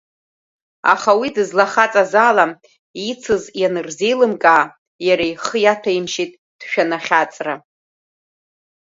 Аха уи дызлахаҵаз ала, ицыз ианырзеилымкаа, иара ихы иаҭәеимшьеит дшәаны ахьаҵра.